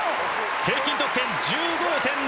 平均得点、１５．０５０。